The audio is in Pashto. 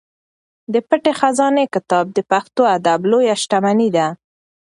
د پټې خزانې کتاب د پښتو ادب لویه شتمني ده.